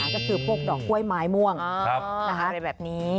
ก็คือพวกดอกกล้วยไม้ม่วงอะไรแบบนี้